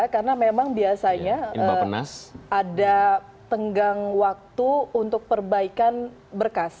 karena memang biasanya ada tenggang waktu untuk perbaikan berkas